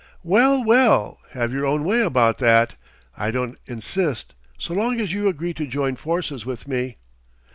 "Well, well, have your own way about that. I don't insist, so long as you agree to join forces with me."